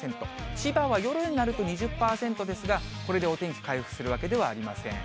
千葉は夜になると２０％ですが、これでお天気回復するわけではありません。